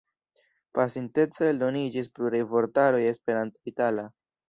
Pasintece eldoniĝis pluraj vortaroj Esperanto-itala.